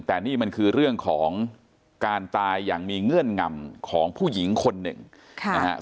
แต่นี่มันคือเรื่องของการตายอย่างมีเงื่อนงำของผู้หญิงคนหนึ่งค่ะนะฮะ